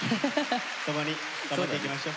共に頑張っていきましょう。